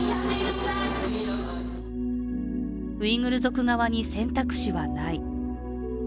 ウイグル族側に選択肢はない。